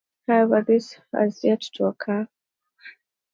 However, this has yet to occur.